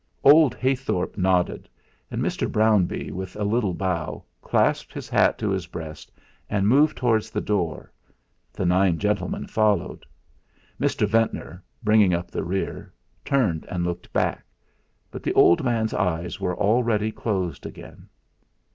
Old Heythorp nodded, and Mr. Brownbee, with a little bow, clasped his hat to his breast and moved towards the door. The nine gentlemen followed. Mr. Ventnor, bringing up the rear, turned and looked back. But the old man's eyes were already closed again.